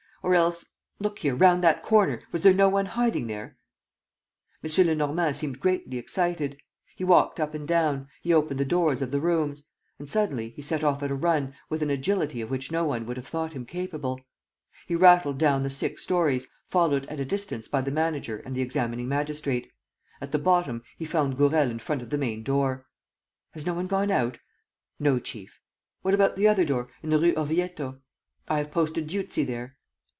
. Or else, look here, round that corner: was there no one hiding there?" M. Lenormand seemed greatly excited. He walked up and down, he opened the doors of the rooms. And, suddenly, he set off at a run, with an agility of which no one would have thought him capable. He rattled down the six storeys, followed at a distance by the manager and the examining magistrate. At the bottom, he found Gourel in front of the main door. "Has no one gone out?" "No, chief." "What about the other door, in the Rue Orvieto?" "I have posted Dieuzy there."